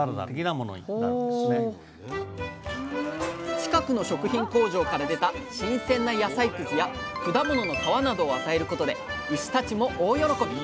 近くの食品工場から出た新鮮な野菜くずや果物の皮などを与えることで牛たちも大喜び！